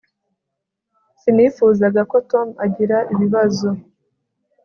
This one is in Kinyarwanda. sinifuzaga ko tom agira ibibazo